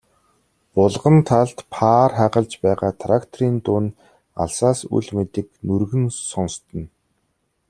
Булган талд паар хагалж байгаа тракторын дуун алсаас үл мэдэг нүргэн сонстоно.